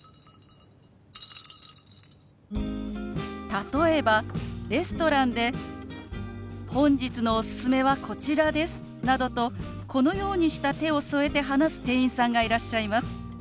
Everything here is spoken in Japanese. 例えばレストランで「本日のおすすめはこちらです」などとこのようにした手を添えて話す店員さんがいらっしゃいます。